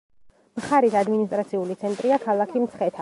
მხარის ადმინისტრაციული ცენტრია ქალაქი მცხეთა.